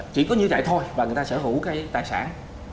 chỉ có như chạy thôi và người ta sở hữu cái tài sản